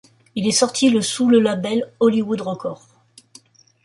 Il est sorti le sous le label Hollywood Records.